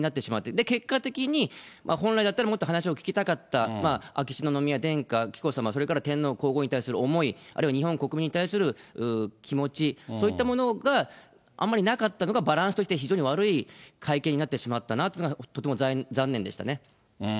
で、結果的に本来だったら、もっと話を聞きたかった、秋篠宮殿下、紀子さま、それから天皇皇后両陛下の思い、あるいは日本国民に対する気持ち、そういったものがあんまりなかったのが、バランスとして非常に悪い会見になってしまったのが、とても残念でしたね。